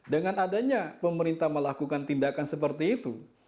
dengan adanya pemerintah melakukan tindakan seperti itu